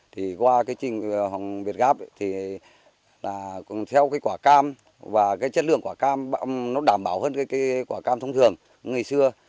thì qua cái trình hồng việt gáp thì là theo cái quả cam và cái chất lượng quả cam nó đảm bảo hơn cái quả cam thông thường ngày xưa